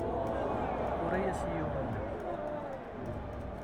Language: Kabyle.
Tura-as i yiwen n umeddakel.